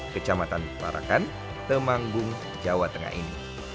kecamatan parakan temanggung jawa tengah ini